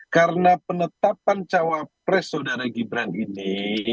karena penetapan cawapres saudara gibran ini